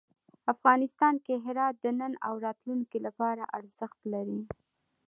افغانستان کې هرات د نن او راتلونکي لپاره ارزښت لري.